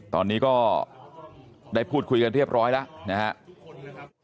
ตอนนี้ก็ได้พูดคุยกันเรียบร้อยแล้วนะครับ